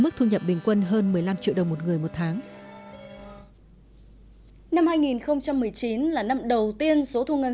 mức thu nhập bình quân hơn một mươi năm triệu đồng một người một tháng năm hai nghìn một mươi chín là năm đầu tiên số thu ngân